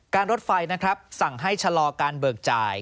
รถไฟนะครับสั่งให้ชะลอการเบิกจ่าย